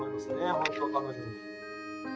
本当彼女に。